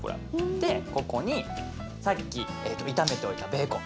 でここにさっき炒めておいたベーコン。